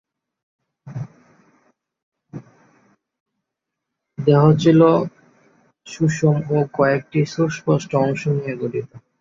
দেহ ছিল সুষম ও কয়েকটি সুস্পষ্ট অংশ নিয়ে গঠিত।